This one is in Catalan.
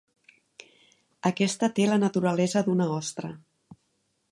Aquesta té la naturalesa d'una ostra.